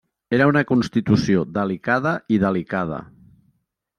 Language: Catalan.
Era una constitució delicada i delicada.